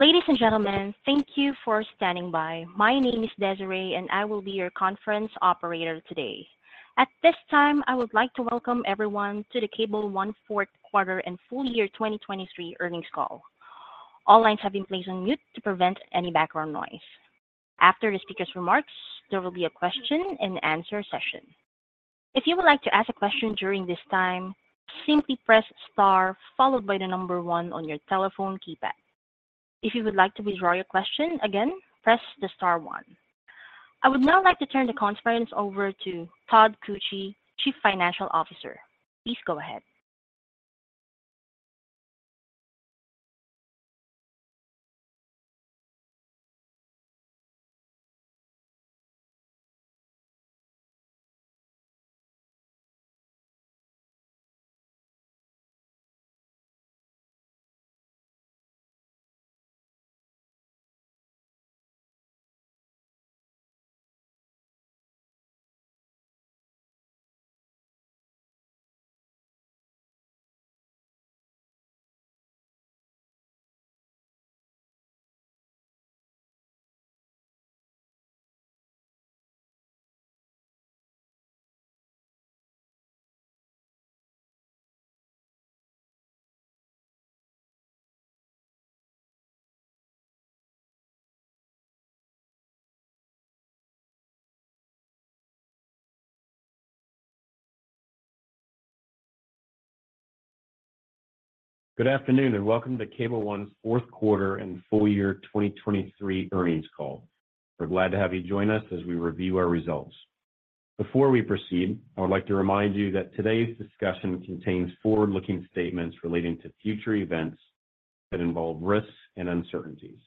Ladies and gentlemen, thank you for standing by. My name is Desiree, and I will be your conference operator today. At this time, I would like to welcome everyone to the Cable One Fourth Quarter and Full Year 2023 earnings call. All lines have been placed on mute to prevent any background noise. After the speaker's remarks, there will be a question-and-answer session. If you would like to ask a question during this time, simply press * followed by the number 1 on your telephone keypad. If you would like to withdraw your question again, press the * 1. I would now like to turn the conference over to Todd Koetje, Chief Financial Officer. Please go ahead. Good afternoon and welcome to Cable One's Fourth Quarter and Full Year 2023 earnings call. We're glad to have you join us as we review our results. Before we proceed, I would like to remind you that today's discussion contains forward-looking statements relating to future events that involve risks and uncertainties.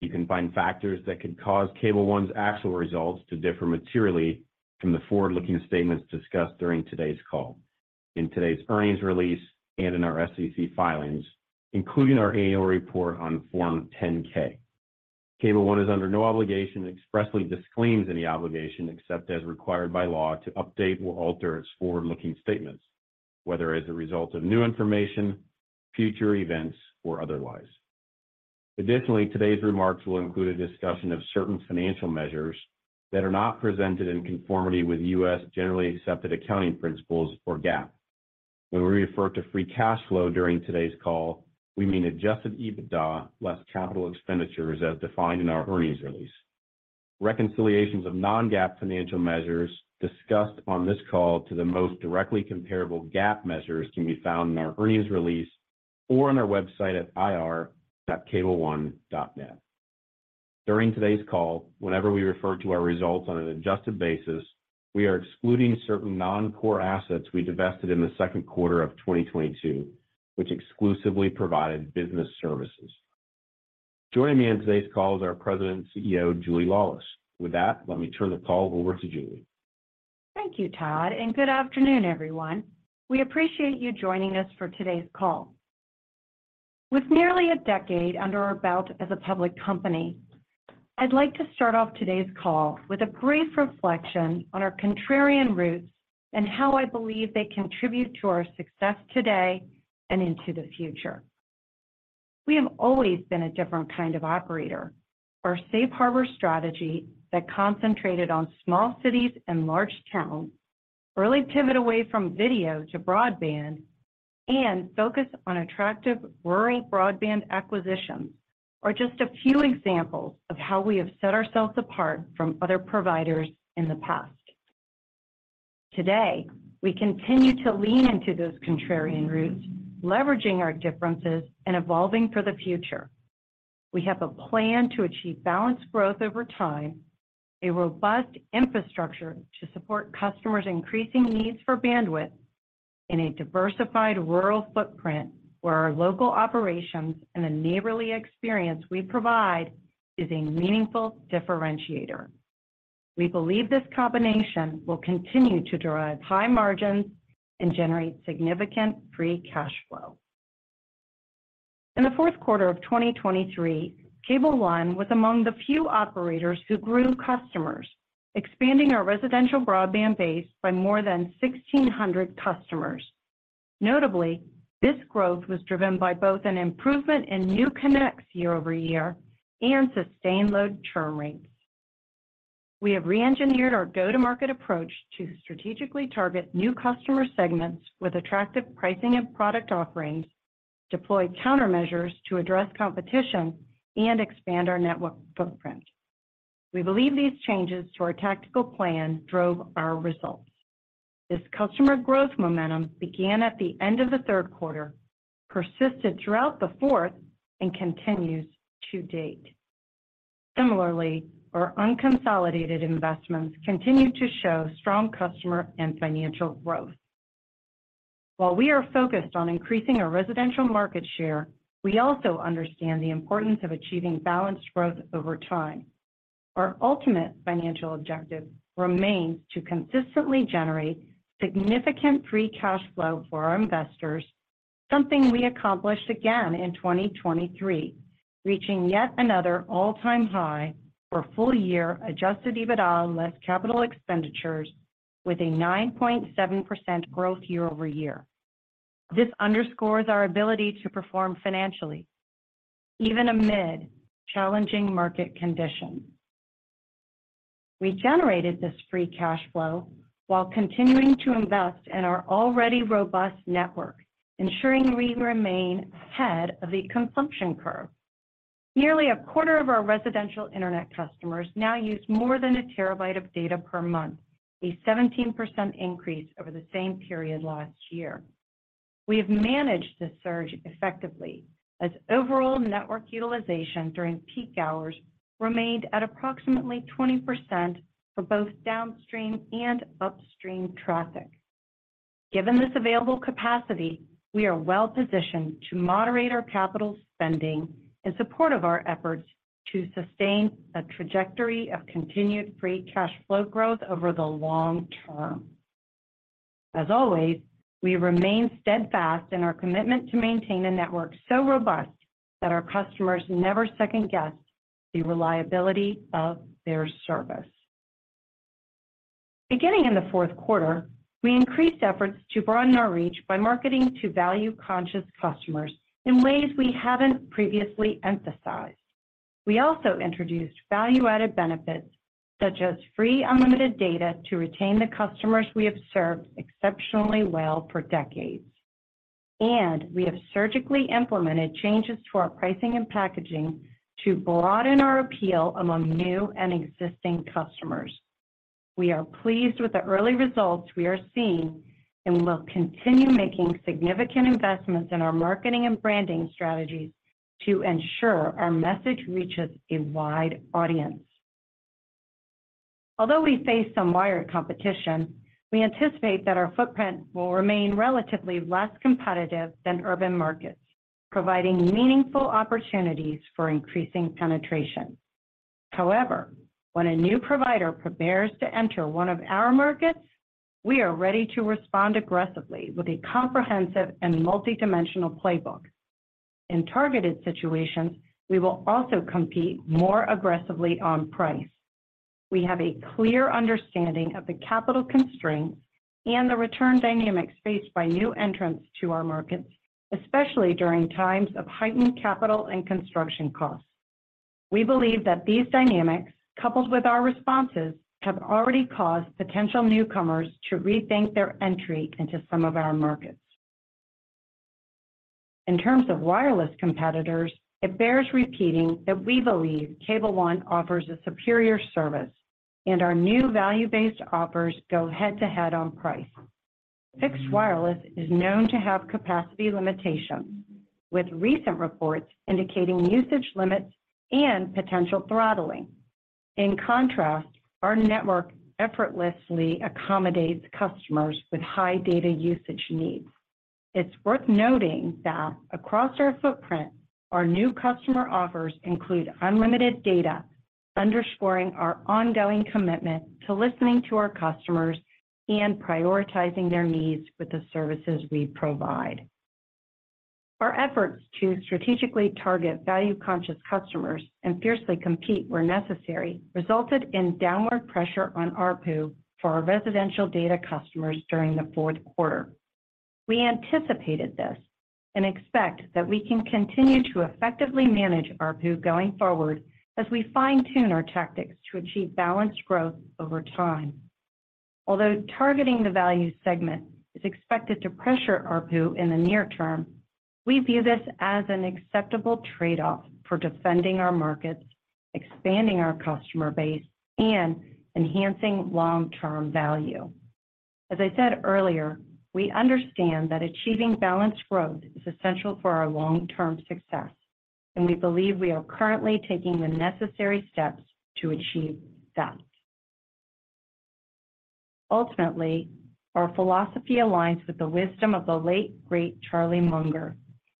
You can find factors that could cause Cable One's actual results to differ materially from the forward-looking statements discussed during today's call, in today's earnings release and in our SEC filings, including our annual report on Form 10-K. Cable One is under no obligation and expressly disclaims any obligation except as required by law to update or alter its forward-looking statements, whether as a result of new information, future events, or otherwise. Additionally, today's remarks will include a discussion of certain financial measures that are not presented in conformity with U.S. generally accepted accounting principles or GAAP. When we refer to free cash flow during today's call, we mean Adjusted EBITDA less capital expenditures as defined in our earnings release. Reconciliations of non-GAAP financial measures discussed on this call to the most directly comparable GAAP measures can be found in our earnings release or on our website at ir.cableone.net. During today's call, whenever we refer to our results on an adjusted basis, we are excluding certain non-core assets we divested in the second quarter of 2022, which exclusively provided business services. Joining me on today's call is our President and CEO, Julie Laulis. With that, let me turn the call over to Julie. Thank you, Todd, and good afternoon, everyone. We appreciate you joining us for today's call. With nearly a decade under our belt as a public company, I'd like to start off today's call with a brief reflection on our contrarian roots and how I believe they contribute to our success today and into the future. We have always been a different kind of operator: our safe harbor strategy that concentrated on small cities and large towns, early pivot away from video to broadband, and focus on attractive rural broadband acquisitions are just a few examples of how we have set ourselves apart from other providers in the past. Today, we continue to lean into those contrarian roots, leveraging our differences and evolving for the future. We have a plan to achieve balanced growth over time, a robust infrastructure to support customers' increasing needs for bandwidth, and a diversified rural footprint where our local operations and the neighborly experience we provide is a meaningful differentiator. We believe this combination will continue to drive high margins and generate significant free cash flow. In the fourth quarter of 2023, Cable One was among the few operators who grew customers, expanding our residential broadband base by more than 1,600 customers. Notably, this growth was driven by both an improvement in new connects year-over-year and sustained low churn rates. We have re-engineered our go-to-market approach to strategically target new customer segments with attractive pricing and product offerings, deployed countermeasures to address competition, and expand our network footprint. We believe these changes to our tactical plan drove our results. This customer growth momentum began at the end of the third quarter, persisted throughout the fourth, and continues to date. Similarly, our unconsolidated investments continue to show strong customer and financial growth. While we are focused on increasing our residential market share, we also understand the importance of achieving balanced growth over time. Our ultimate financial objective remains to consistently generate significant Free Cash Flow for our investors, something we accomplished again in 2023, reaching yet another all-time high for full year Adjusted EBITDA less Capital Expenditures with a 9.7% growth year-over-year. This underscores our ability to perform financially, even amid challenging market conditions. We generated this Free Cash Flow while continuing to invest in our already robust network, ensuring we remain ahead of the consumption curve. Nearly a quarter of our residential internet customers now use more than a terabyte of data per month, a 17% increase over the same period last year. We have managed this surge effectively, as overall network utilization during peak hours remained at approximately 20% for both downstream and upstream traffic. Given this available capacity, we are well positioned to moderate our capital spending in support of our efforts to sustain a trajectory of continued Free Cash Flow growth over the long term. As always, we remain steadfast in our commitment to maintain a network so robust that our customers never second-guess the reliability of their service. Beginning in the fourth quarter, we increased efforts to broaden our reach by marketing to value-conscious customers in ways we haven't previously emphasized. We also introduced value-added benefits such as free unlimited data to retain the customers we have served exceptionally well for decades. We have surgically implemented changes to our pricing and packaging to broaden our appeal among new and existing customers. We are pleased with the early results we are seeing and will continue making significant investments in our marketing and branding strategies to ensure our message reaches a wide audience. Although we face some wired competition, we anticipate that our footprint will remain relatively less competitive than urban markets, providing meaningful opportunities for increasing penetration. However, when a new provider prepares to enter one of our markets, we are ready to respond aggressively with a comprehensive and multidimensional playbook. In targeted situations, we will also compete more aggressively on price. We have a clear understanding of the capital constraints and the return dynamics faced by new entrants to our markets, especially during times of heightened capital and construction costs. We believe that these dynamics, coupled with our responses, have already caused potential newcomers to rethink their entry into some of our markets. In terms of wireless competitors, it bears repeating that we believe Cable One offers a superior service, and our new value-based offers go head-to-head on price. Fixed wireless is known to have capacity limitations, with recent reports indicating usage limits and potential throttling. In contrast, our network effortlessly accommodates customers with high data usage needs. It's worth noting that across our footprint, our new customer offers include unlimited data, underscoring our ongoing commitment to listening to our customers and prioritizing their needs with the services we provide. Our efforts to strategically target value-conscious customers and fiercely compete where necessary resulted in downward pressure on ARPU for our residential data customers during the fourth quarter. We anticipated this and expect that we can continue to effectively manage ARPU going forward as we fine-tune our tactics to achieve balanced growth over time. Although targeting the value segment is expected to pressure ARPU in the near term, we view this as an acceptable trade-off for defending our markets, expanding our customer base, and enhancing long-term value. As I said earlier, we understand that achieving balanced growth is essential for our long-term success, and we believe we are currently taking the necessary steps to achieve that. Ultimately, our philosophy aligns with the wisdom of the late great Charlie Munger,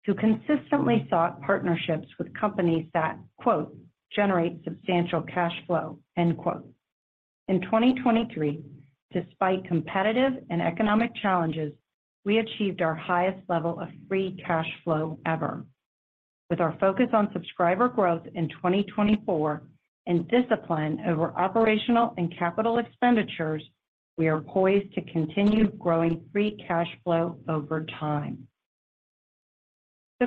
who consistently sought partnerships with companies that "generate substantial cash flow." In 2023, despite competitive and economic challenges, we achieved our highest level of free cash flow ever. With our focus on subscriber growth in 2024 and discipline over operational and Capital Expenditures, we are poised to continue growing Free Cash Flow over time.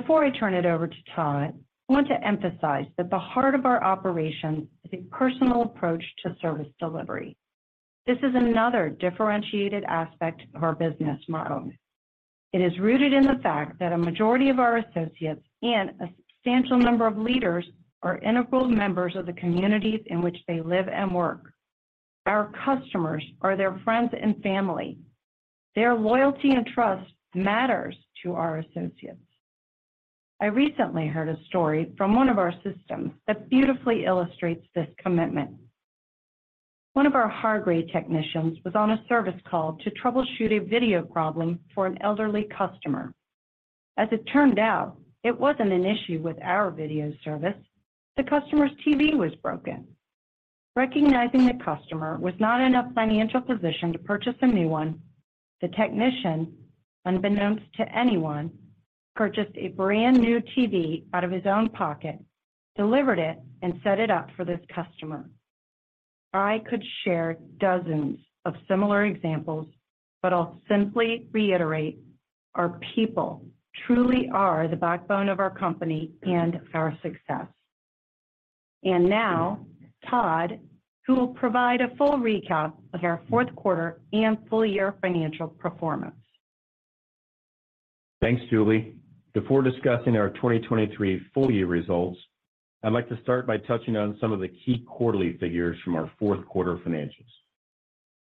Before I turn it over to Todd, I want to emphasize that the heart of our operations is a personal approach to service delivery. This is another differentiated aspect of our business model. It is rooted in the fact that a majority of our associates and a substantial number of leaders are integral members of the communities in which they live and work. Our customers are their friends and family. Their loyalty and trust matters to our associates. I recently heard a story from one of our systems that beautifully illustrates this commitment. One of our Hargray technicians was on a service call to troubleshoot a video problem for an elderly customer. As it turned out, it wasn't an issue with our video service. The customer's TV was broken. Recognizing the customer was not in a financial position to purchase a new one, the technician, unbeknownst to anyone, purchased a brand new TV out of his own pocket, delivered it, and set it up for this customer. I could share dozens of similar examples, but I'll simply reiterate: our people truly are the backbone of our company and our success. Now, Todd, who will provide a full recap of our fourth quarter and full year financial performance. Thanks, Julie. Before discussing our 2023 full year results, I'd like to start by touching on some of the key quarterly figures from our fourth quarter financials.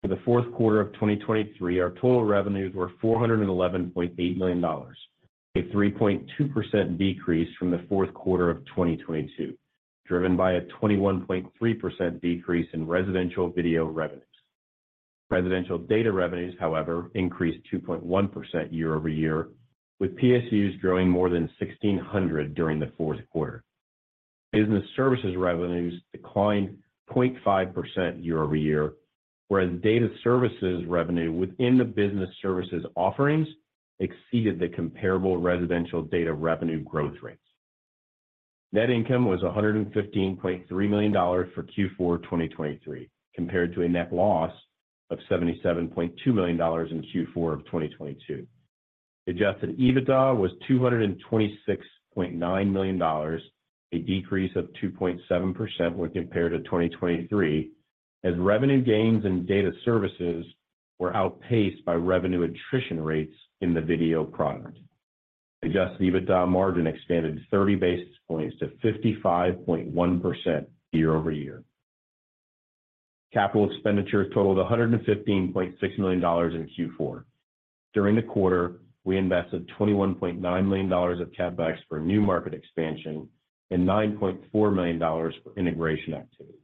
For the fourth quarter of 2023, our total revenues were $411.8 million, a 3.2% decrease from the fourth quarter of 2022, driven by a 21.3% decrease in residential video revenues. Residential data revenues, however, increased 2.1% year-over-year, with PSUs growing more than 1,600 during the fourth quarter. Business services revenues declined 0.5% year-over-year, whereas data services revenue within the business services offerings exceeded the comparable residential data revenue growth rates. Net income was $115.3 million for Q4 2023, compared to a net loss of $77.2 million in Q4 of 2022. Adjusted EBITDA was $226.9 million, a decrease of 2.7% when compared to 2023, as revenue gains in data services were outpaced by revenue attrition rates in the video product. Adjusted EBITDA margin expanded 30 basis points to 55.1% year-over-year. Capital expenditures totaled $115.6 million in Q4. During the quarter, we invested $21.9 million of CapEx for new market expansion and $9.4 million for integration activities.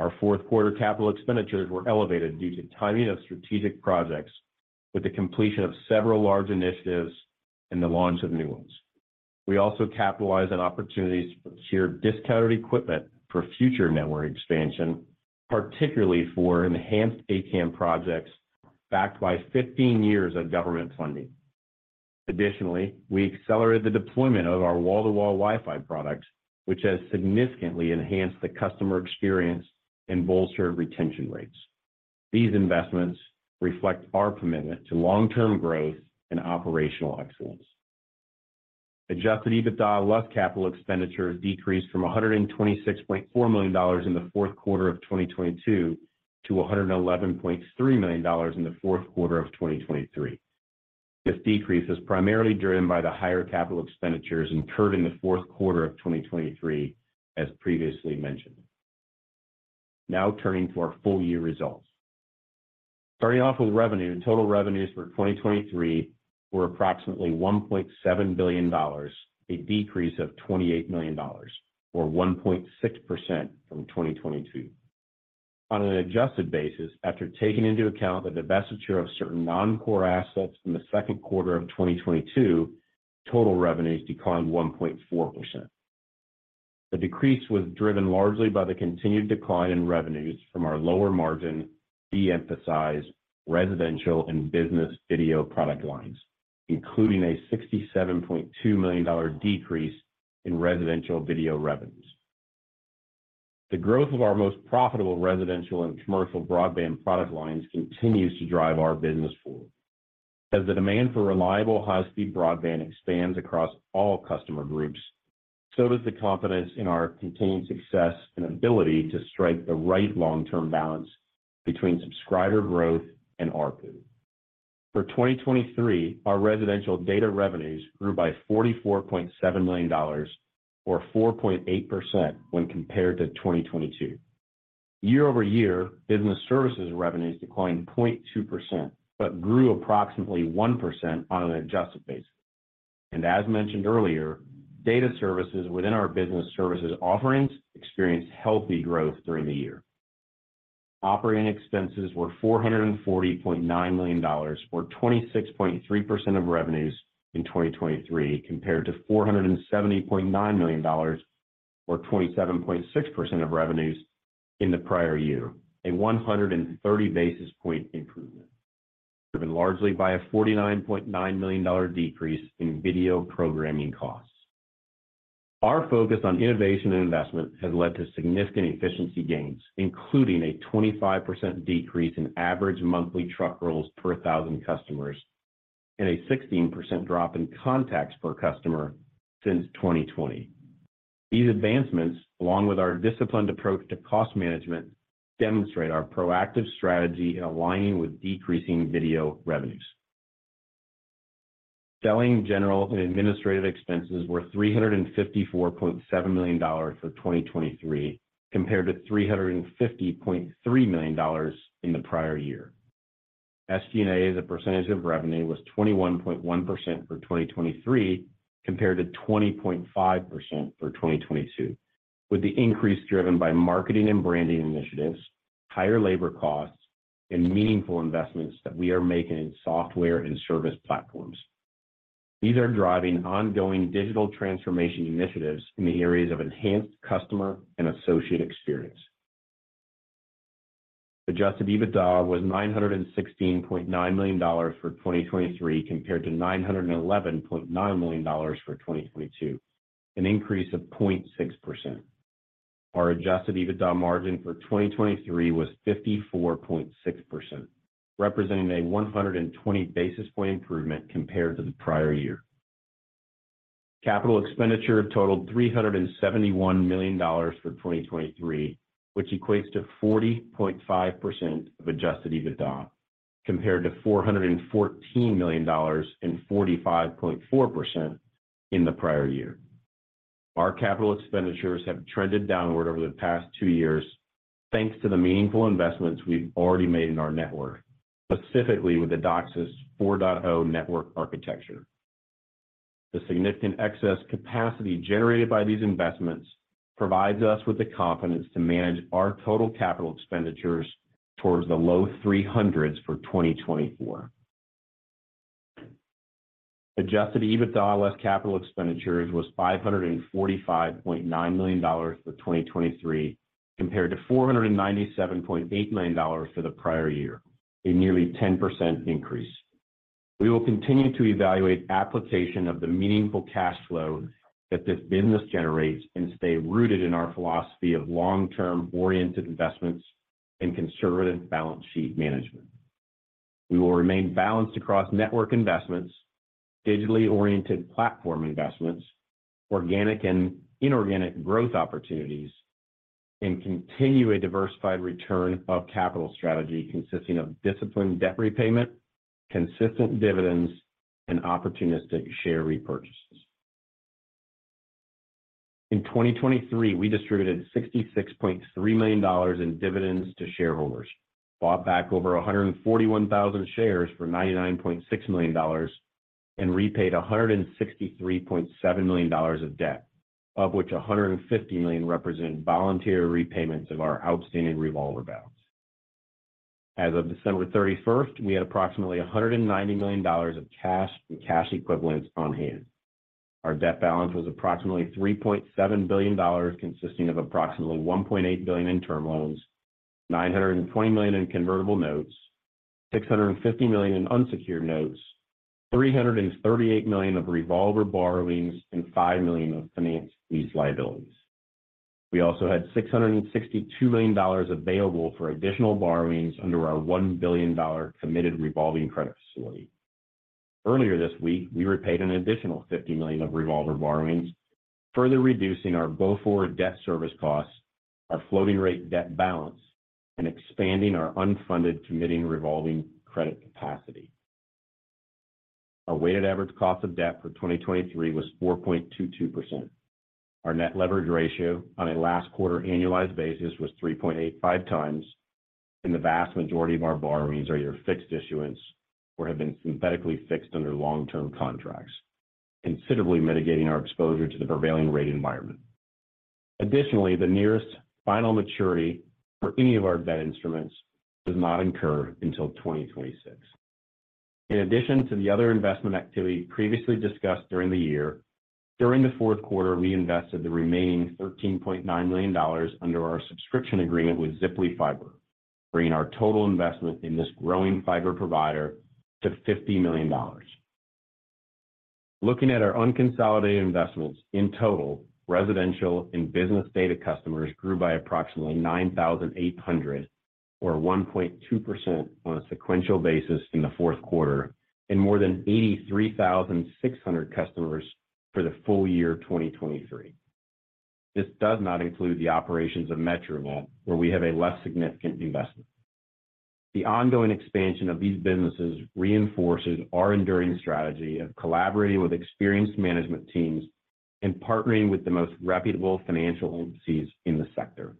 Our fourth quarter capital expenditures were elevated due to timing of strategic projects with the completion of several large initiatives and the launch of new ones. We also capitalized on opportunities to procure discounted equipment for future network expansion, particularly for Enhanced ACAM projects backed by 15 years of government funding. Additionally, we accelerated the deployment of our Wall-to-Wall WiFi product, which has significantly enhanced the customer experience and bolstered retention rates. These investments reflect our commitment to long-term growth and operational excellence. Adjusted EBITDA less capital expenditures decreased from $126.4 million in the fourth quarter of 2022 to $111.3 million in the fourth quarter of 2023. This decrease is primarily driven by the higher Capital Expenditures incurred in the fourth quarter of 2023, as previously mentioned. Now turning to our full year results. Starting off with revenue, total revenues for 2023 were approximately $1.7 billion, a decrease of $28 million, or 1.6% from 2022. On an adjusted basis, after taking into account the divestiture of certain non-core assets in the second quarter of 2022, total revenues declined 1.4%. The decrease was driven largely by the continued decline in revenues from our lower margin, de-emphasized, residential and business video product lines, including a $67.2 million decrease in residential video revenues. The growth of our most profitable residential and commercial broadband product lines continues to drive our business forward. As the demand for reliable high-speed broadband expands across all customer groups, so does the confidence in our continued success and ability to strike the right long-term balance between subscriber growth and ARPU. For 2023, our residential data revenues grew by $44.7 million, or 4.8%, when compared to 2022. Year-over-year, business services revenues declined 0.2% but grew approximately 1% on an adjusted basis. As mentioned earlier, data services within our business services offerings experienced healthy growth during the year. Operating expenses were $440.9 million, or 26.3% of revenues in 2023, compared to $470.9 million, or 27.6% of revenues in the prior year, a 130 basis point improvement, driven largely by a $49.9 million decrease in video programming costs. Our focus on innovation and investment has led to significant efficiency gains, including a 25% decrease in average monthly truck rolls per 1,000 customers and a 16% drop in contacts per customer since 2020. These advancements, along with our disciplined approach to cost management, demonstrate our proactive strategy in aligning with decreasing video revenues. Selling general and administrative expenses were $354.7 million for 2023, compared to $350.3 million in the prior year. SG&A's percentage of revenue was 21.1% for 2023, compared to 20.5% for 2022, with the increase driven by marketing and branding initiatives, higher labor costs, and meaningful investments that we are making in software and service platforms. These are driving ongoing digital transformation initiatives in the areas of enhanced customer and associate experience. Adjusted EBITDA was $916.9 million for 2023, compared to $911.9 million for 2022, an increase of 0.6%. Our adjusted EBITDA margin for 2023 was 54.6%, representing a 120 basis point improvement compared to the prior year. Capital expenditure totaled $371 million for 2023, which equates to 40.5% of adjusted EBITDA, compared to $414 million and 45.4% in the prior year. Our capital expenditures have trended downward over the past two years, thanks to the meaningful investments we've already made in our network, specifically with the DOCSIS 4.0 network architecture. The significant excess capacity generated by these investments provides us with the confidence to manage our total capital expenditures towards the low 300s for 2024. Adjusted EBITDA less capital expenditures was $545.9 million for 2023, compared to $497.8 million for the prior year, a nearly 10% increase. We will continue to evaluate application of the meaningful cash flow that this business generates and stay rooted in our philosophy of long-term oriented investments and conservative balance sheet management. We will remain balanced across network investments, digitally oriented platform investments, organic and inorganic growth opportunities, and continue a diversified return of capital strategy consisting of disciplined debt repayment, consistent dividends, and opportunistic share repurchases. In 2023, we distributed $66.3 million in dividends to shareholders, bought back over 141,000 shares for $99.6 million, and repaid $163.7 million of debt, of which $150 million represented voluntary repayments of our outstanding revolver balance. As of December 31st, we had approximately $190 million of cash and cash equivalents on hand. Our debt balance was approximately $3.7 billion, consisting of approximately $1.8 billion in term loans, $920 million in convertible notes, $650 million in unsecured notes, $338 million of revolver borrowings, and $5 million of finance lease liabilities. We also had $662 million available for additional borrowings under our $1 billion committed revolving credit facility. Earlier this week, we repaid an additional $50 million of revolver borrowings, further reducing our Beaufort debt service costs, our floating rate debt balance, and expanding our unfunded committing revolving credit capacity. Our weighted average cost of debt for 2023 was 4.22%. Our net leverage ratio on a last quarter annualized basis was 3.85 times, and the vast majority of our borrowings are either fixed issuance or have been synthetically fixed under long-term contracts, considerably mitigating our exposure to the prevailing rate environment. Additionally, the nearest final maturity for any of our debt instruments does not incur until 2026. In addition to the other investment activity previously discussed during the year, during the fourth quarter, we invested the remaining $13.9 million under our subscription agreement with Ziply Fiber, bringing our total investment in this growing fiber provider to $50 million. Looking at our unconsolidated investments, in total, residential and business data customers grew by approximately 9,800, or 1.2% on a sequential basis in the fourth quarter, and more than 83,600 customers for the full year 2023. This does not include the operations of Metronet, where we have a less significant investment. The ongoing expansion of these businesses reinforces our enduring strategy of collaborating with experienced management teams and partnering with the most reputable financial agencies in the sector.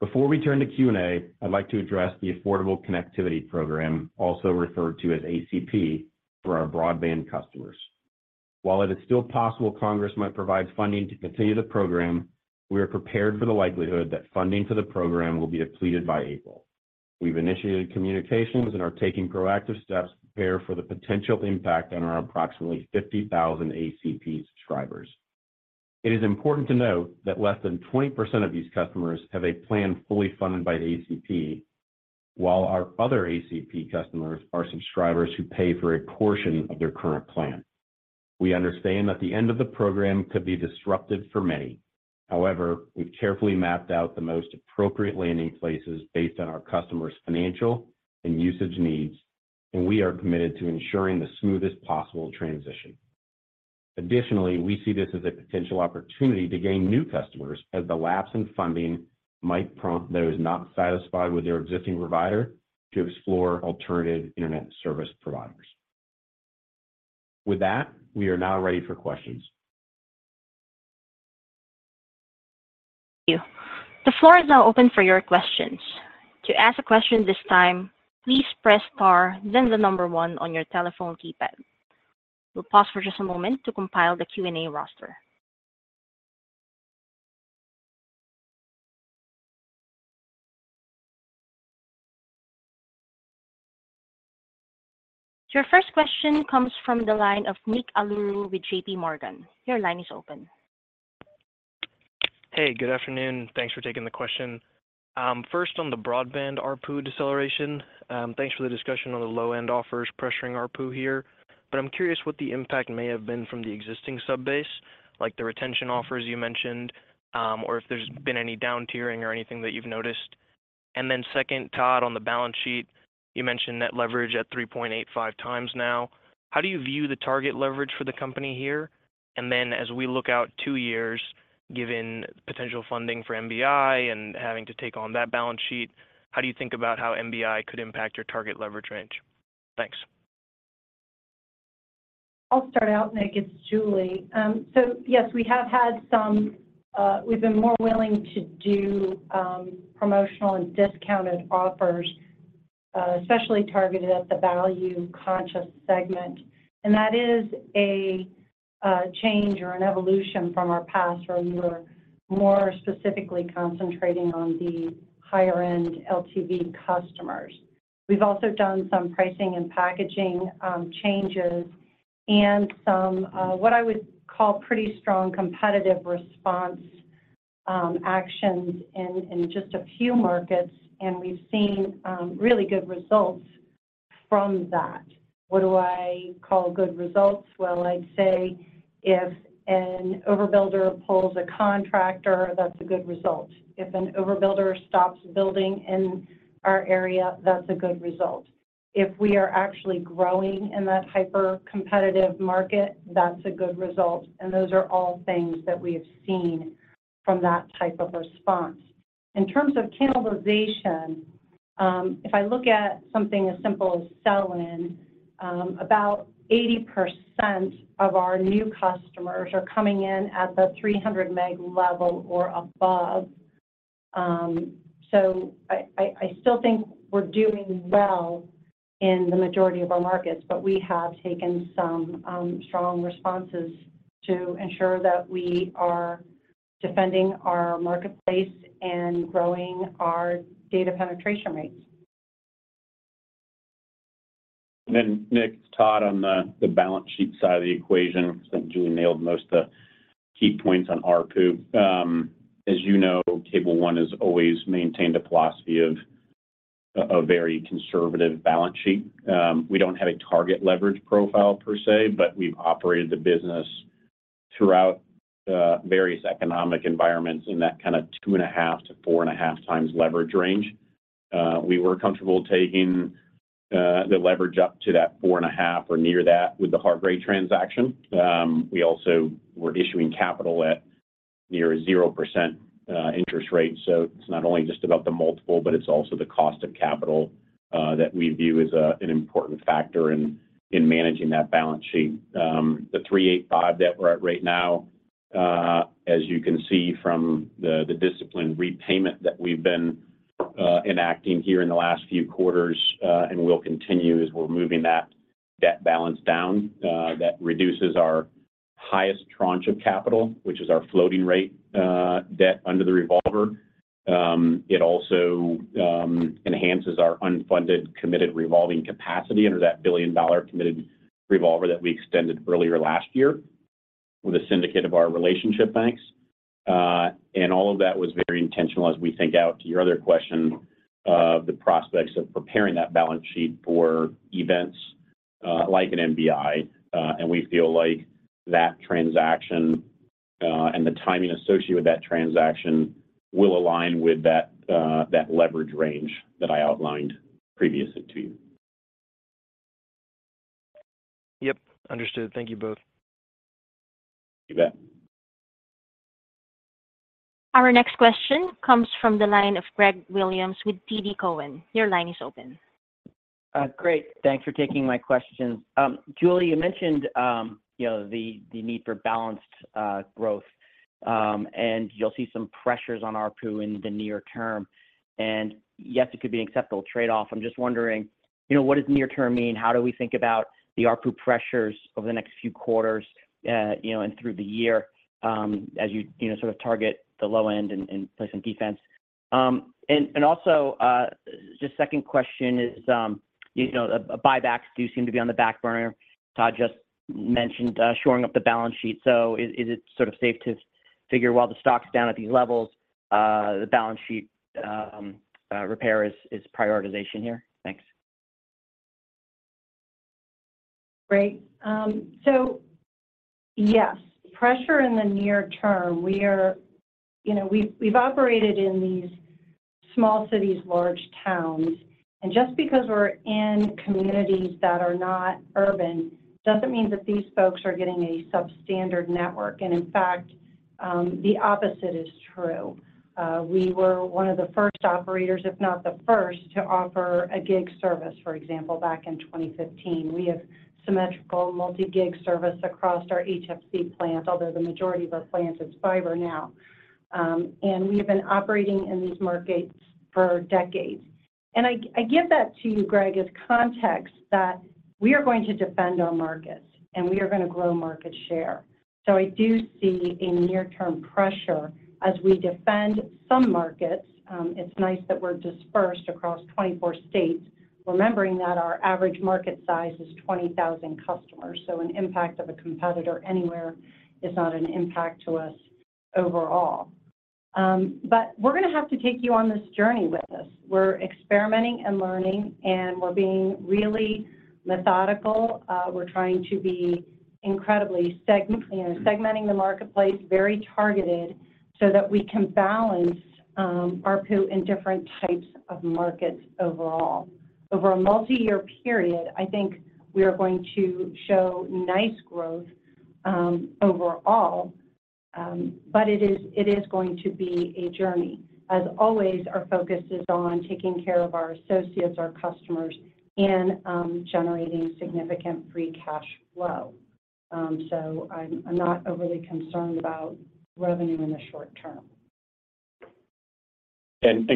Before we turn to Q&A, I'd like to address the Affordable Connectivity Program, also referred to as ACP, for our broadband customers. While it is still possible Congress might provide funding to continue the program, we are prepared for the likelihood that funding for the program will be depleted by April. We've initiated communications and are taking proactive steps to prepare for the potential impact on our approximately 50,000 ACP subscribers. It is important to note that less than 20% of these customers have a plan fully funded by the ACP, while our other ACP customers are subscribers who pay for a portion of their current plan. We understand that the end of the program could be disruptive for many. However, we've carefully mapped out the most appropriate landing places based on our customers' financial and usage needs, and we are committed to ensuring the smoothest possible transition. Additionally, we see this as a potential opportunity to gain new customers as the lapse in funding might prompt those not satisfied with their existing provider to explore alternative internet service providers. With that, we are now ready for questions. Thank you. The floor is now open for your questions. To ask a question this time, please press star, then the number one on your telephone keypad. We'll pause for just a moment to compile the Q&A roster. Your first question comes from the line of Nick Aluru with JPMorgan. Your line is open. Hey, good afternoon. Thanks for taking the question. First, on the broadband ARPU deceleration, thanks for the discussion on the low-end offers pressuring ARPU here, but I'm curious what the impact may have been from the existing subbase, like the retention offers you mentioned, or if there's been any down-tiering or anything that you've noticed. And then second, Todd, on the balance sheet, you mentioned net leverage at 3.85 times now. How do you view the target leverage for the company here? And then as we look out two years, given potential funding for MBI and having to take on that balance sheet, how do you think about how MBI could impact your target leverage range? Thanks. I'll start out, Nick. It's Julie. So yes, we've been more willing to do promotional and discounted offers, especially targeted at the value-conscious segment. And that is a change or an evolution from our past, where we were more specifically concentrating on the higher-end LTV customers. We've also done some pricing and packaging changes and some what I would call pretty strong competitive response actions in just a few markets, and we've seen really good results from that. What do I call good results? Well, I'd say if an overbuilder pulls a contractor, that's a good result. If an overbuilder stops building in our area, that's a good result. If we are actually growing in that hyper-competitive market, that's a good result. And those are all things that we have seen from that type of response. In terms of cannibalization, if I look at something as simple as sell-in, about 80% of our new customers are coming in at the 300 meg level or above. So I still think we're doing well in the majority of our markets, but we have taken some strong responses to ensure that we are defending our marketplace and growing our data penetration rates. And then, Nick, Todd, on the balance sheet side of the equation, I think Julie nailed most of the key points on ARPU. As you know, Cable One has always maintained a philosophy of a very conservative balance sheet. We don't have a target leverage profile per se, but we've operated the business throughout various economic environments in that kind of 2.5-4.5 times leverage range. We were comfortable taking the leverage up to that 4.5 or near that with the Hargrey transaction. We also were issuing capital at near a 0% interest rate. So it's not only just about the multiple, but it's also the cost of capital that we view as an important factor in managing that balance sheet. The 385 that we're at right now, as you can see from the disciplined repayment that we've been enacting here in the last few quarters and will continue as we're moving that debt balance down, that reduces our highest tranche of capital, which is our floating rate debt under the revolver. It also enhances our unfunded committed revolving capacity under that billion-dollar committed revolver that we extended earlier last year with a syndicate of our relationship banks. And all of that was very intentional, as we think out to your other question of the prospects of preparing that balance sheet for events like an MBI. And we feel like that transaction and the timing associated with that transaction will align with that leverage range that I outlined previously to you. Yep. Understood. Thank you both. You bet. Our next question comes from the line of Greg Williams with TD Cowen. Your line is open. Great. Thanks for taking my questions. Julie, you mentioned the need for balanced growth, and you'll see some pressures on ARPU in the near term. And yes, it could be an acceptable trade-off. I'm just wondering, what does near-term mean? How do we think about the ARPU pressures over the next few quarters and through the year as you sort of target the low end and place in defense? And also, just second question is, buybacks do seem to be on the back burner. Todd just mentioned shoring up the balance sheet. So is it sort of safe to figure, while the stock's down at these levels, the balance sheet repair is prioritization here? Thanks. Great. So yes, pressure in the near term. We've operated in these small cities, large towns. And just because we're in communities that are not urban doesn't mean that these folks are getting a substandard network. And in fact, the opposite is true. We were one of the first operators, if not the first, to offer a gig service, for example, back in 2015. We have symmetrical multi-gig service across our HFC plant, although the majority of our plant is fiber now. And we have been operating in these markets for decades. And I give that to you, Greg, as context that we are going to defend our markets, and we are going to grow market share. So I do see a near-term pressure as we defend some markets. It's nice that we're dispersed across 24 states, remembering that our average market size is 20,000 customers. So an impact of a competitor anywhere is not an impact to us overall. But we're going to have to take you on this journey with us. We're experimenting and learning, and we're being really methodical. We're trying to be incredibly segmenting the marketplace very targeted so that we can balance ARPU in different types of markets overall. Over a multi-year period, I think we are going to show nice growth overall, but it is going to be a journey. As always, our focus is on taking care of our associates, our customers, and generating significant free cash flow. So I'm not overly concerned about revenue in the short term.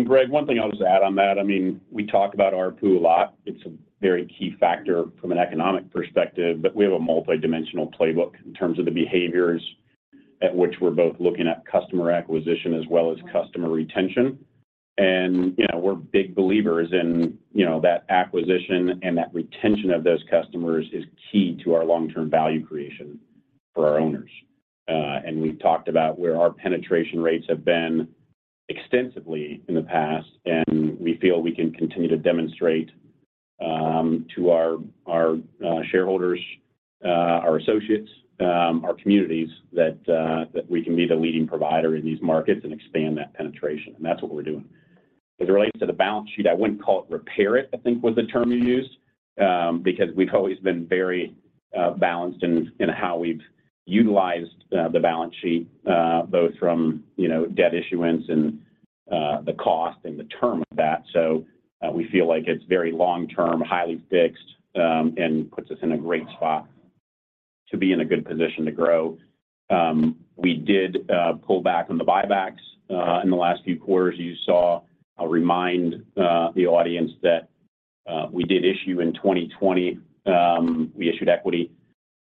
Greg, one thing I'll just add on that. I mean, we talk about ARPU a lot. It's a very key factor from an economic perspective, but we have a multidimensional playbook in terms of the behaviors at which we're both looking at customer acquisition as well as customer retention. We're big believers in that acquisition and that retention of those customers is key to our long-term value creation for our owners. We've talked about where our penetration rates have been extensively in the past, and we feel we can continue to demonstrate to our shareholders, our associates, our communities that we can be the leading provider in these markets and expand that penetration. That's what we're doing. As it relates to the balance sheet, I wouldn't call it repair it, I think, was the term we used because we've always been very balanced in how we've utilized the balance sheet, both from debt issuance and the cost and the term of that. So we feel like it's very long-term, highly fixed, and puts us in a great spot to be in a good position to grow. We did pull back on the buybacks in the last few quarters. You saw. I'll remind the audience that we did issue in 2020. We issued equity,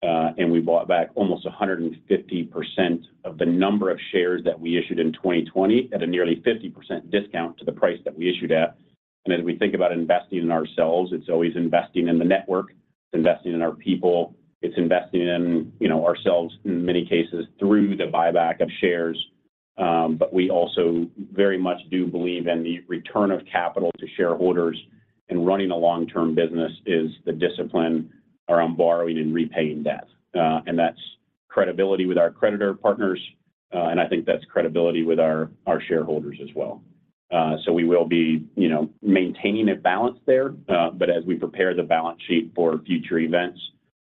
and we bought back almost 150% of the number of shares that we issued in 2020 at a nearly 50% discount to the price that we issued at. And as we think about investing in ourselves, it's always investing in the network. It's investing in our people. It's investing in ourselves, in many cases, through the buyback of shares. But we also very much do believe in the return of capital to shareholders and running a long-term business is the discipline around borrowing and repaying debt. And that's credibility with our creditor partners, and I think that's credibility with our shareholders as well. So we will be maintaining a balance there. But as we prepare the balance sheet for future events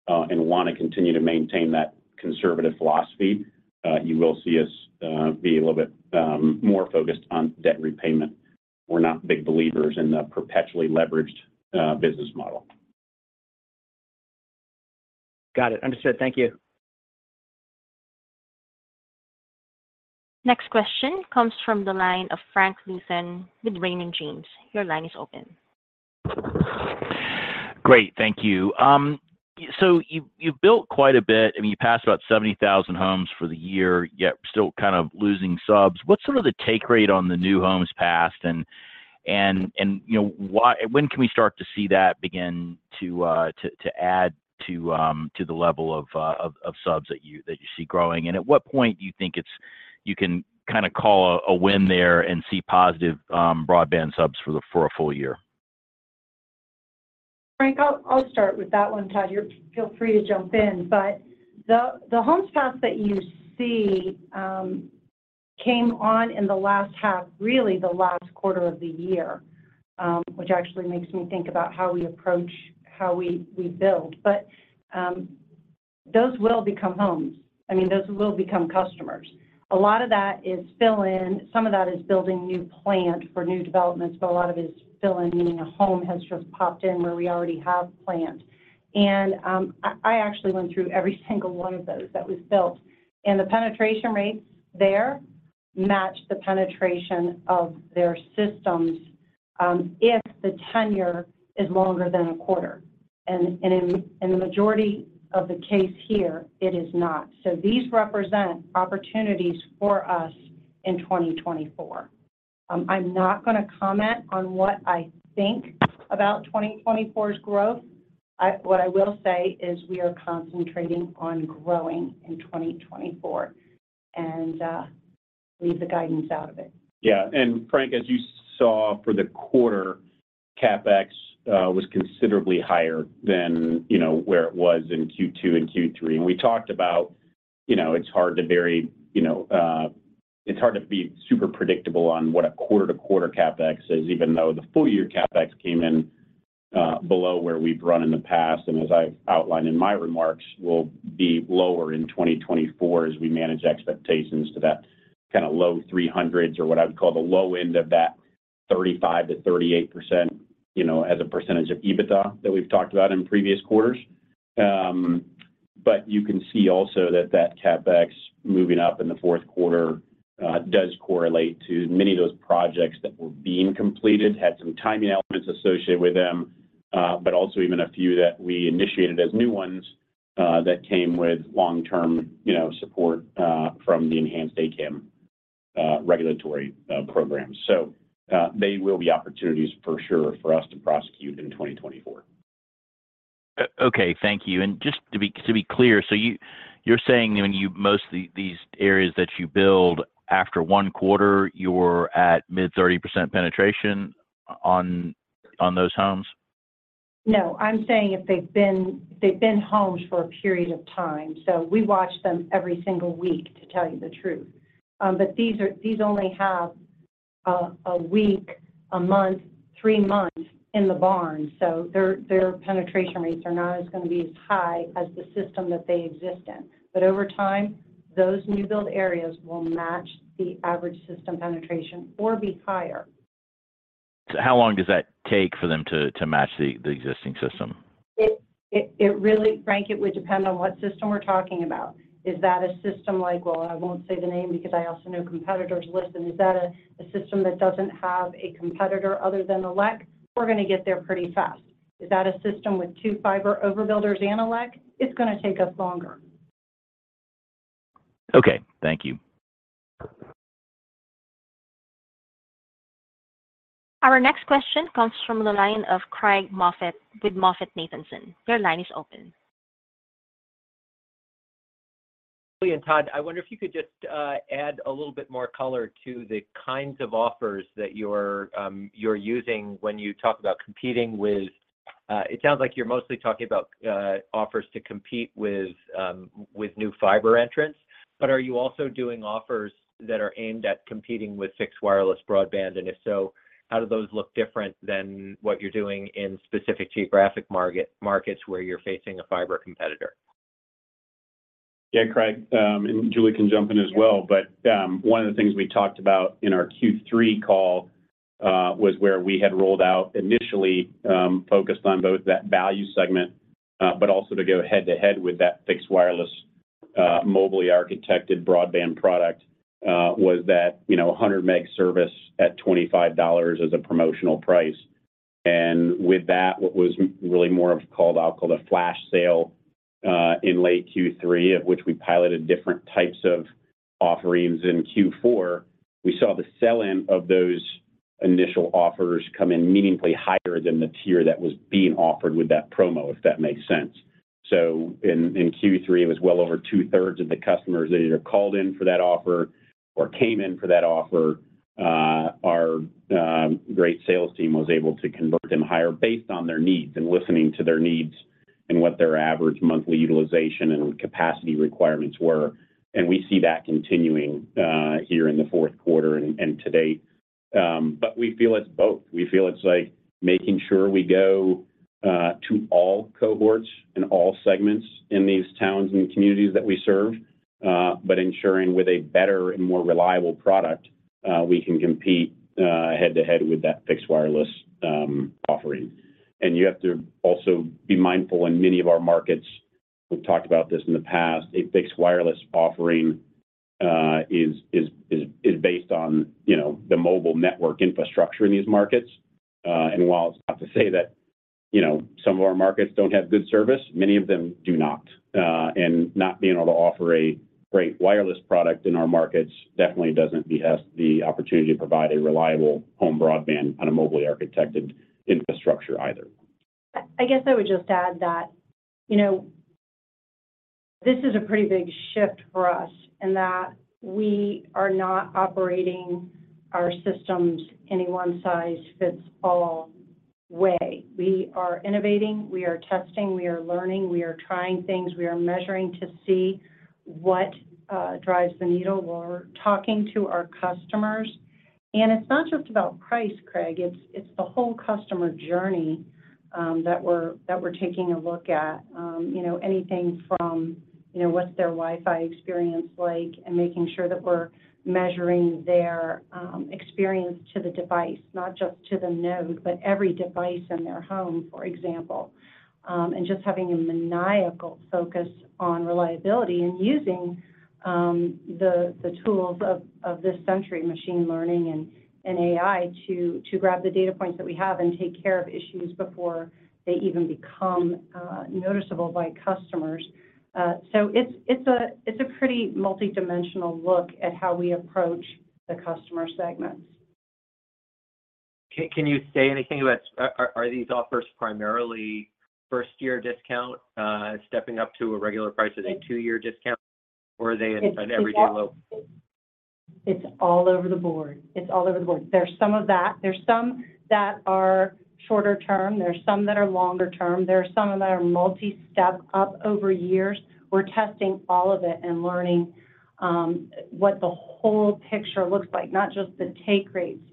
and want to continue to maintain that conservative philosophy, you will see us be a little bit more focused on debt repayment. We're not big believers in the perpetually leveraged business model. Got it. Understood. Thank you. Next question comes from the line of Frank Louthan with Raymond James. Your line is open. Great. Thank you. So you've built quite a bit. I mean, you passed about 70,000 homes for the year, yet still kind of losing subs. What's sort of the take rate on the new homes passed, and when can we start to see that begin to add to the level of subs that you see growing? And at what point do you think you can kind of call a win there and see positive broadband subs for a full year? Frank, I'll start with that one, Todd. Feel free to jump in. But the homes passed that you see came on in the last half, really the last quarter of the year, which actually makes me think about how we approach how we build. But those will become homes. I mean, those will become customers. A lot of that is fill-in. Some of that is building new plant for new developments, but a lot of it is fill-in, meaning a home has just popped in where we already have plant. And I actually went through every single one of those that was built. And the penetration rates there match the penetration of their systems if the tenure is longer than a quarter. And in the majority of the case here, it is not. So these represent opportunities for us in 2024. I'm not going to comment on what I think about 2024's growth. What I will say is we are concentrating on growing in 2024 and leave the guidance out of it. Yeah. And Frank, as you saw for the quarter, CapEx was considerably higher than where it was in Q2 and Q3. And we talked about it's hard to be super predictable on what a quarter-to-quarter CapEx is, even though the full-year CapEx came in below where we've run in the past. And as I've outlined in my remarks, we'll be lower in 2024 as we manage expectations to that kind of low 300s or what I would call the low end of that 35%-38% as a percentage of EBITDA that we've talked about in previous quarters. But you can see also that that CapEx moving up in the fourth quarter does correlate to many of those projects that were being completed, had some timing elements associated with them, but also even a few that we initiated as new ones that came with long-term support from the Enhanced ACAM regulatory programs. So they will be opportunities for sure for us to prosecute in 2024. Okay. Thank you. And just to be clear, so you're saying when you move into these areas that you build, after one quarter, you're at mid-30% penetration on those homes? No. I'm saying if they've been homes for a period of time. So we watch them every single week, to tell you the truth. But these only have a week, a month, three months in the barn. So their penetration rates are not going to be as high as the system that they exist in. But over time, those new-build areas will match the average system penetration or be higher. How long does that take for them to match the existing system? Frank, it would depend on what system we're talking about. Is that a system like, well, I won't say the name because I also know competitors listen? Is that a system that doesn't have a competitor other than ILEC? We're going to get there pretty fast. Is that a system with two fiber overbuilders and ILEC? It's going to take us longer. Okay. Thank you. Our next question comes from the line of Craig Moffett with MoffettNathanson. Your line is open. Julie and Todd, I wonder if you could just add a little bit more color to the kinds of offers that you're using when you talk about competing with. It sounds like you're mostly talking about offers to compete with new fiber entrants. But are you also doing offers that are aimed at competing with Fixed Wireless broadband? And if so, how do those look different than what you're doing in specific geographic markets where you're facing a fiber competitor? Yeah, Craig. And Julie can jump in as well. But one of the things we talked about in our Q3 call was where we had rolled out initially focused on both that value segment, but also to go head-to-head with that fixed wireless mobility architected broadband product was that 100 meg service at $25 as a promotional price. And with that, what was really more of a callout called a flash sale in late Q3, of which we piloted different types of offerings in Q4, we saw the sell-in of those initial offers come in meaningfully higher than the tier that was being offered with that promo, if that makes sense. So in Q3, it was well over two-thirds of the customers that either called in for that offer or came in for that offer. Our great sales team was able to convert them higher based on their needs and listening to their needs and what their average monthly utilization and capacity requirements were. We see that continuing here in the fourth quarter and to date. We feel it's both. We feel it's making sure we go to all cohorts and all segments in these towns and communities that we serve, but ensuring with a better and more reliable product, we can compete head-to-head with that Fixed Wireless offering. You have to also be mindful in many of our markets - we've talked about this in the past - a Fixed Wireless offering is based on the mobile network infrastructure in these markets. While it's not to say that some of our markets don't have good service, many of them do not. Not being able to offer a great wireless product in our markets definitely doesn't give us the opportunity to provide a reliable home broadband on a mobile architected infrastructure either. I guess I would just add that this is a pretty big shift for us in that we are not operating our systems any one-size-fits-all way. We are innovating. We are testing. We are learning. We are trying things. We are measuring to see what drives the needle. We're talking to our customers. It's not just about price, Craig. It's the whole customer journey that we're taking a look at, anything from what's their WiFi experience like and making sure that we're measuring their experience to the device, not just to the node, but every device in their home, for example, and just having a maniacal focus on reliability and using the tools of this century, machine learning and AI, to grab the data points that we have and take care of issues before they even become noticeable by customers. It's a pretty multidimensional look at how we approach the customer segments. Can you say anything about are these offers primarily first-year discount stepping up to a regular price with a two-year discount, or are they an everyday low? It's all over the board. It's all over the board. There's some of that. There's some that are shorter term. There's some that are longer term. There are some that are multi-step up over years. We're testing all of it and learning what the whole picture looks like, not just the take rates,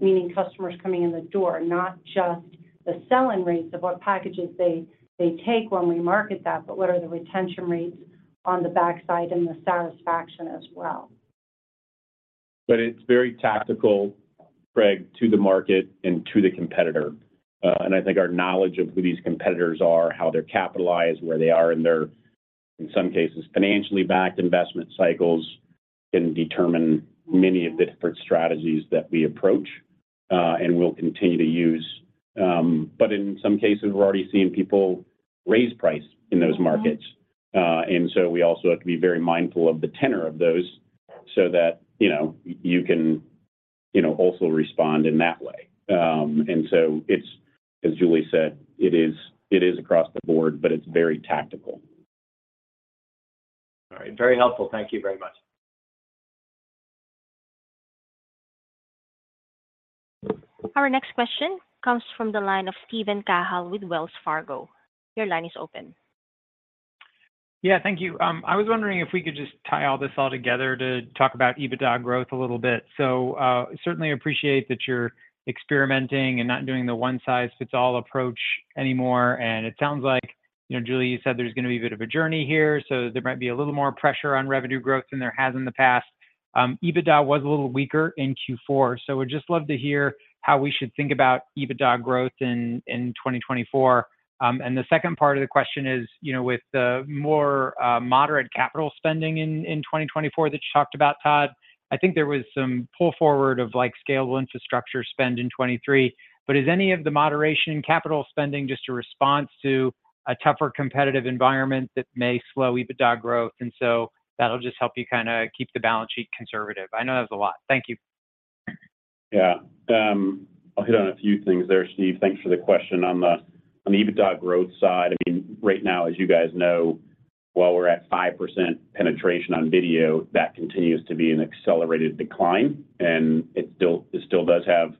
meaning customers coming in the door, not just the sell-in rates of what packages they take when we market that, but what are the retention rates on the backside and the satisfaction as well. But it's very tactical, Craig, to the market and to the competitor. And I think our knowledge of who these competitors are, how they're capitalized, where they are in their, in some cases, financially backed investment cycles can determine many of the different strategies that we approach and will continue to use. But in some cases, we're already seeing people raise price in those markets. And so we also have to be very mindful of the tenor of those so that you can also respond in that way. And so it's, as Julie said, it is across the board, but it's very tactical. All right. Very helpful. Thank you very much. Our next question comes from the line of Steven Cahall with Wells Fargo. Your line is open. Yeah. Thank you. I was wondering if we could just tie all this all together to talk about EBITDA growth a little bit. So certainly appreciate that you're experimenting and not doing the one-size-fits-all approach anymore. And it sounds like, Julie, you said there's going to be a bit of a journey here, so there might be a little more pressure on revenue growth than there has in the past. EBITDA was a little weaker in Q4. So would just love to hear how we should think about EBITDA growth in 2024. And the second part of the question is with the more moderate capital spending in 2024 that you talked about, Todd, I think there was some pull forward of scalable infrastructure spend in 2023. But is any of the moderation in capital spending just a response to a tougher competitive environment that may slow EBITDA growth? And so that'll just help you kind of keep the balance sheet conservative. I know that was a lot. Thank you. Yeah. I'll hit on a few things there, Steve. Thanks for the question. On the EBITDA growth side, I mean, right now, as you guys know, while we're at 5% penetration on video, that continues to be an accelerated decline. It still does have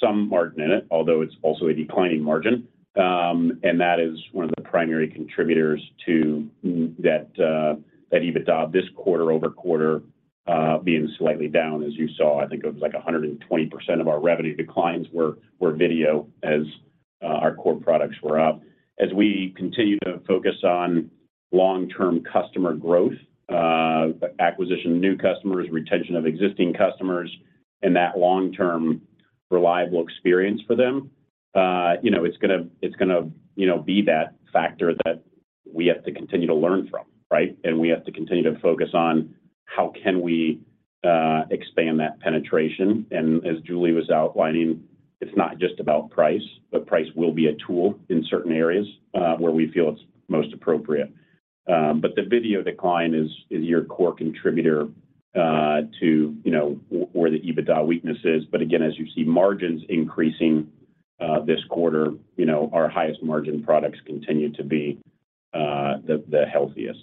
some margin in it, although it's also a declining margin. That is one of the primary contributors to that EBITDA this quarter-over-quarter being slightly down. As you saw, I think it was like 120% of our revenue declines were video as our core products were up. As we continue to focus on long-term customer growth, acquisition of new customers, retention of existing customers, and that long-term reliable experience for them, it's going to be that factor that we have to continue to learn from, right? We have to continue to focus on how can we expand that penetration. As Julie was outlining, it's not just about price, but price will be a tool in certain areas where we feel it's most appropriate. But the video decline is your core contributor to where the EBITDA weakness is. But again, as you see margins increasing this quarter, our highest margin products continue to be the healthiest.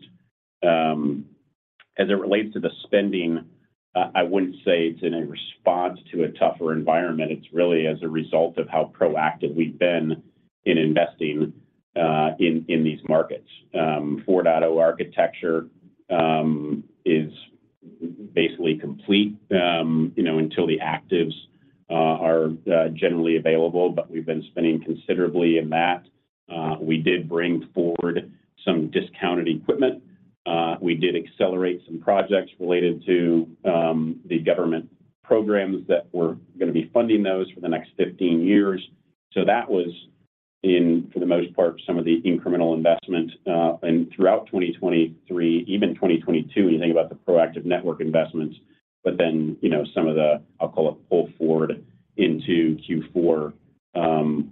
As it relates to the spending, I wouldn't say it's in a response to a tougher environment. It's really as a result of how proactive we've been in investing in these markets. 4.0 architecture is basically complete until the actives are generally available. But we've been spending considerably in that. We did bring forward some discounted equipment. We did accelerate some projects related to the government programs that were going to be funding those for the next 15 years. So that was, for the most part, some of the incremental investment throughout 2023, even 2022, when you think about the proactive network investments, but then some of the, I'll call it, pull forward into Q4.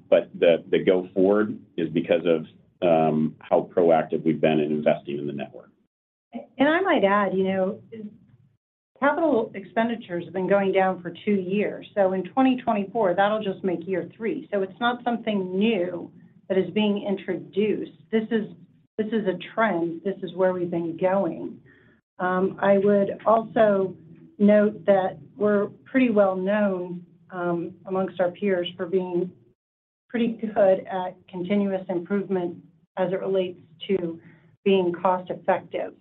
But the go-forward is because of how proactive we've been in investing in the network. And I might add, capital expenditures have been going down for two years. So in 2024, that'll just make year three. So it's not something new that is being introduced. This is a trend. This is where we've been going. I would also note that we're pretty well known among our peers for being pretty good at continuous improvement as it relates to being cost-effective.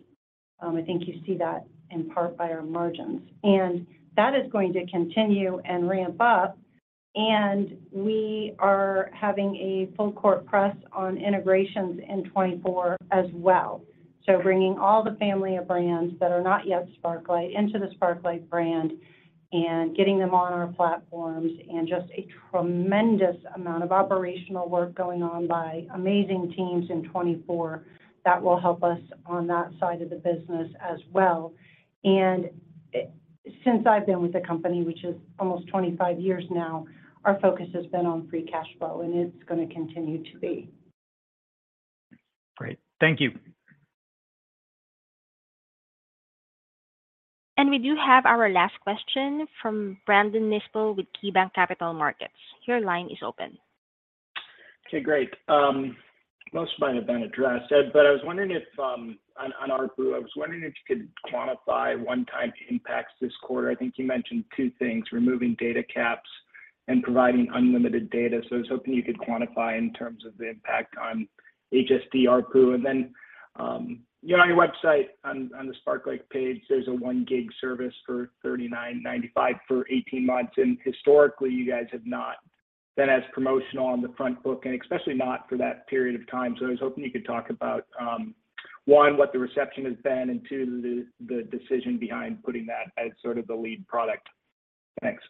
I think you see that in part by our margins. And that is going to continue and ramp up. And we are having a full-court press on integrations in 2024 as well, so bringing all the family of brands that are not yet Sparklight into the Sparklight brand and getting them on our platforms. And just a tremendous amount of operational work going on by amazing teams in 2024 that will help us on that side of the business as well. Since I've been with the company, which is almost 25 years now, our focus has been on Free Cash Flow, and it's going to continue to be. Great. Thank you. We do have our last question from Brandon Nispel with KeyBanc Capital Markets. Your line is open. Okay. Great. Most might have been addressed. But I was wondering if on RBRU, I was wondering if you could quantify one-time impacts this quarter. I think you mentioned two things, removing data caps and providing unlimited data. So I was hoping you could quantify in terms of the impact on HSD RBRU. And then on your website, on the Sparklight page, there's a one-gig service for $39.95 for 18 months. And historically, you guys have not been as promotional on the front book, and especially not for that period of time. So I was hoping you could talk about, one, what the reception has been, and two, the decision behind putting that as sort of the lead product. Thanks.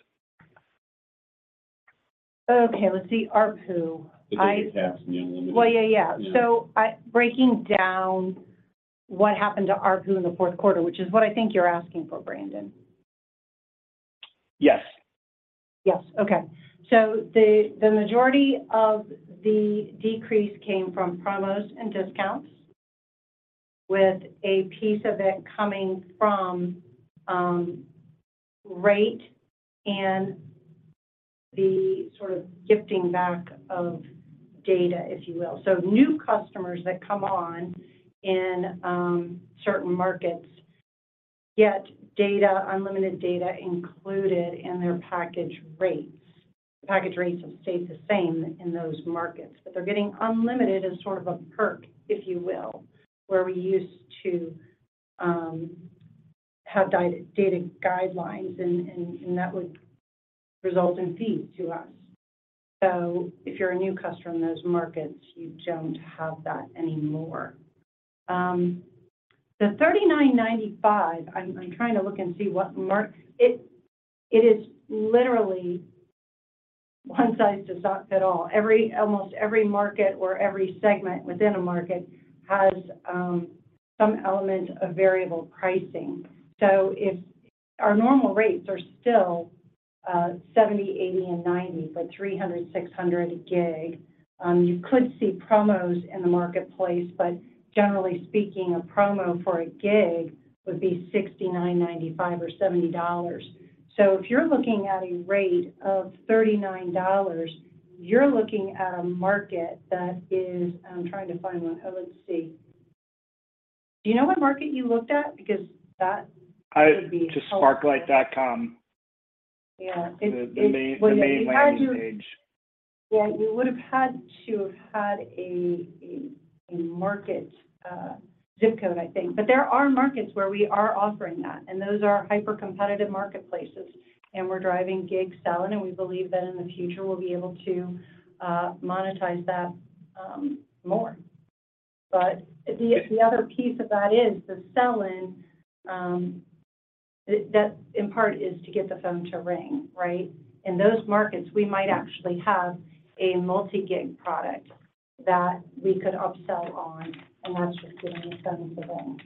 Okay. Let's see. RBRU. The data caps and the unlimited. Well, yeah, yeah. So breaking down what happened to RBRU in the fourth quarter, which is what I think you're asking for, Brandon. Yes. Yes. Okay. So the majority of the decrease came from promos and discounts, with a piece of it coming from rate and the sort of gifting back of data, if you will. So new customers that come on in certain markets get unlimited data included in their package rates. The package rates have stayed the same in those markets. But they're getting unlimited as sort of a perk, if you will, where we used to have data guidelines, and that would result in fees to us. So if you're a new customer in those markets, you don't have that anymore. The $39.95, I'm trying to look and see what it is, literally one-size-fits-all. Almost every market or every segment within a market has some element of variable pricing. So if our normal rates are still 70, 80, and 90 for 300, 600 a gig, you could see promos in the marketplace. But generally speaking, a promo for a gig would be 69.95 or $70. So if you're looking at a rate of $39, you're looking at a market that is I'm trying to find one. Oh, let's see. Do you know what market you looked at? Because that would be helpful. To sparklight.com. Yeah. It would have had to. The main landing page. Yeah. You would have had to have had a market ZIP code, I think. But there are markets where we are offering that. And those are hyper-competitive marketplaces. And we're driving gig sell-in. And we believe that in the future, we'll be able to monetize that more. But the other piece of that is the sell-in, that in part is to get the phone to ring, right? In those markets, we might actually have a multi-gig product that we could upsell on. And that's just getting the phone to ring.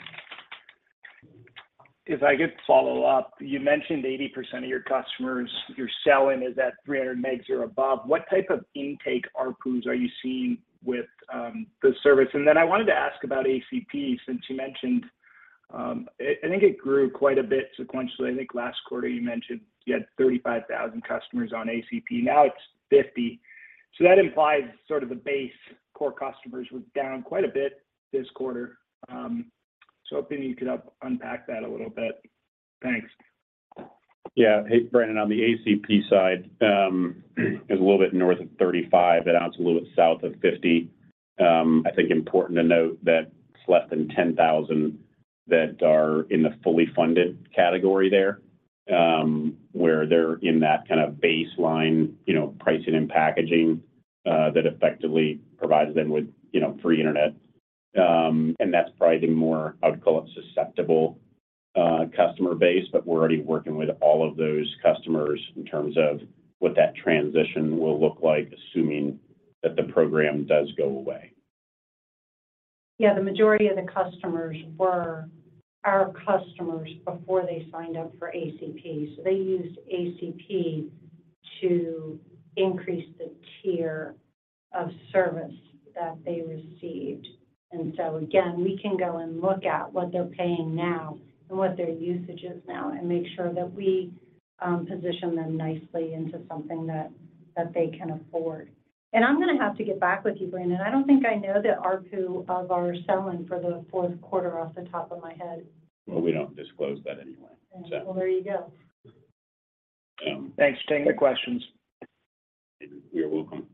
If I could follow up, you mentioned 80% of your customers, your sell-in is at 300 Mbps or above. What type of intake RGUs are you seeing with the service? And then I wanted to ask about ACP since you mentioned I think it grew quite a bit sequentially. I think last quarter, you mentioned you had 35,000 customers on ACP. Now it's 50. So that implies sort of the base core customers were down quite a bit this quarter. So hoping you could unpack that a little bit. Thanks. Yeah. Hey, Brandon. On the ACP side, it's a little bit north of 35. It's a little bit south of 50. I think important to note that it's less than 10,000 that are in the fully funded category there, where they're in that kind of baseline pricing and packaging that effectively provides them with free internet. And that's probably the more, I would call it, susceptible customer base. But we're already working with all of those customers in terms of what that transition will look like, assuming that the program does go away. Yeah. The majority of the customers were our customers before they signed up for ACP. So they used ACP to increase the tier of service that they received. And so again, we can go and look at what they're paying now and what their usage is now and make sure that we position them nicely into something that they can afford. And I'm going to have to get back with you, Brandon. I don't think I know the ARPU of our sell-in for the fourth quarter off the top of my head. Well, we don't disclose that anyway, so. Well, there you go. Thanks. Take your questions. You're welcome.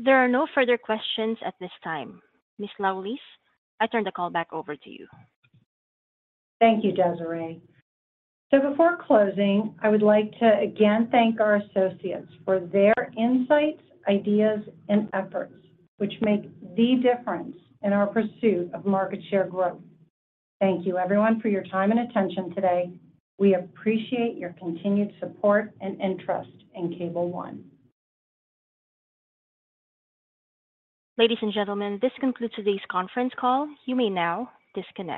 There are no further questions at this time. Ms. Laulis, I turn the call back over to you. Thank you, Desiree. Before closing, I would like to again thank our associates for their insights, ideas, and efforts, which make the difference in our pursuit of market share growth. Thank you, everyone, for your time and attention today. We appreciate your continued support and interest in Cable One. Ladies and gentlemen, this concludes today's conference call. You may now disconnect.